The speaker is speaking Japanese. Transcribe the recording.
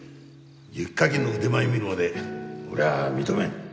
雪かきの腕前見るまで俺は認めん。